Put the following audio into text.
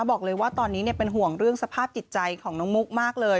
บอกเลยว่าตอนนี้เป็นห่วงเรื่องสภาพจิตใจของน้องมุกมากเลย